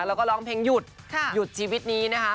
แล้วก็ร้องเพลงหยุดหยุดชีวิตนี้นะคะ